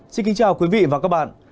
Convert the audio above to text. xin kính chào quý vị và các bạn